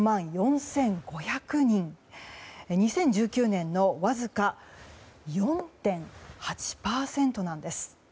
２０１９年のわずか４．８％なんです。